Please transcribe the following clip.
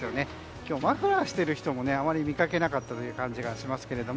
今日、マフラーをしている人もあまり見かけなかった感じがしますけども。